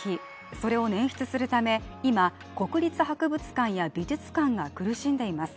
それを捻出するため今国立博物館や美術館が苦しんでいます